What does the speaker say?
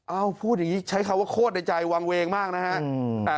พูดอย่างนี้ใช้คำว่าโคตรในใจวางเวงมากนะฮะ